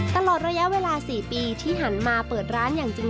ตลอดระยะเวลา๔ปีที่หันมาเปิดร้านอย่างจริง